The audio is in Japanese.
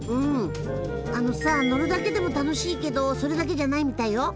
あのさ乗るだけでも楽しいけどそれだけじゃないみたいよ。